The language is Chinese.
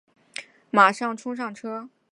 马上冲上车